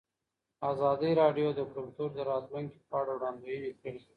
ازادي راډیو د کلتور د راتلونکې په اړه وړاندوینې کړې.